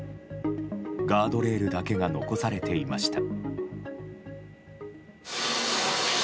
ガードレールだけが残されていました。